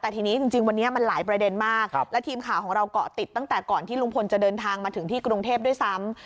แต่ทีนี้จริงวันนี้มันหลายประเด็นมากและทีมข่าวของเราเกาะติดตั้งแต่ก่อนที่ลุงพลจะเดินทางมาถึงที่กรุงเทพด้วยซ้ำ